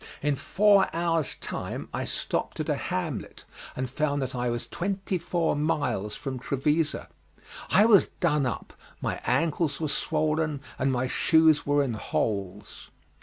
In four hours' time I stopped at a hamlet, and found that I was twenty four miles from Trevisa. I was done up, my ankles were swollen, and my shoes were in holes.